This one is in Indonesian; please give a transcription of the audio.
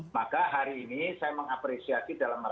maka hari ini saya mengapresiasi dalam arti mbak